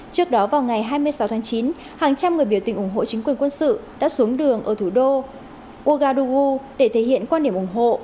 trước đó vào ngày hai mươi sáu tháng chín hàng trăm người biểu tình ủng hộ chính quyền quân sự đã xuống đường ở thủ đô ogadugu để thể hiện quan điểm ủng hộ